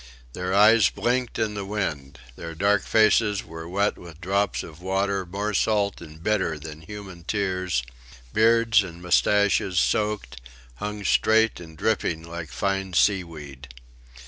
Their eyes blinked in the wind; their dark faces were wet with drops of water more salt and bitter than human tears; beards and moustaches, soaked, hung straight and dripping like fine seaweed.